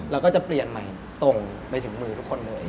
เราก็จะเปลี่ยนใหม่ส่งไปถึงมือทุกคนเลย